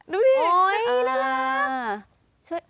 ดูดิโอ้ยน่ารัก